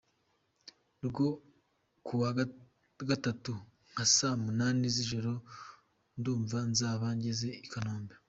rwo Kuwa Gatatu nka saa munani z’ijoro ndumva nzaba ngeze i Kanombe”.